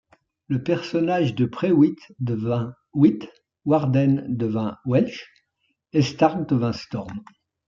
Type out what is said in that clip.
Le personnage de Prewitt devint Witt, Warden devint Welsh et Stark devint Storm.